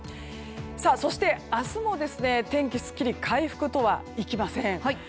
そして、明日も天気すっきり回復とはいきません。